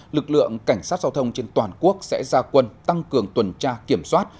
lực lượng cảnh sát giao thông trên toàn quốc sẽ ra quân tăng cường tuần tra kiểm soát